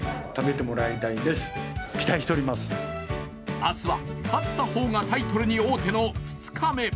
明日は勝った方がタイトルに王手の２日目。